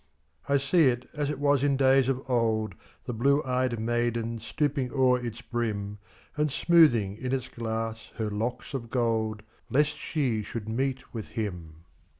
I see it as it was in days of old, The blue ey'd maiden stooping o'er its brim, And smoothing in its glass her locks of gold, Lest she should meet with him.